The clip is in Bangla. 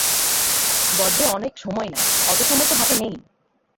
গদ্যে অনেক সময় নেয়, অত সময় তো হাতে নেই।